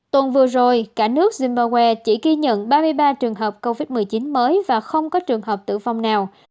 tuần vừa rồi cả nước zimbawe chỉ ghi nhận ba mươi ba trường hợp covid một mươi chín mới và không có trường hợp tử vong nào